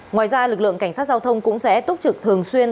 ngoài ra lực lượng cảnh sát giao thông cũng sẽ túc trực thường xuyên